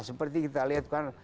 seperti kita lihat kan